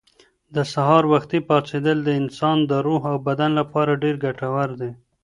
د سهار وختي پاڅېدل د انسان د روح او بدن لپاره ډېر ګټور دي.